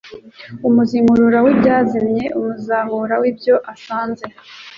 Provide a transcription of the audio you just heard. Umuzimurura w'ibyazimiye Umuzahura w'ibyo asanze.